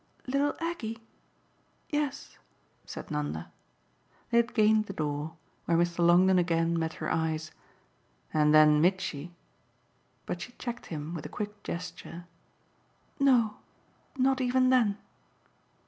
"Little Aggie? Yes," said Nanda. They had gained the door, where Mr. Longdon again met her eyes. "And then Mitchy !" But she checked him with a quick gesture. "No not even then!"